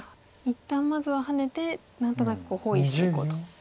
一旦まずはハネて何となく包囲していこうと。